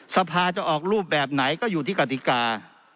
สภาจะออกรูปแบบไหนก็อยู่ที่กติกา